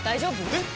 えっ⁉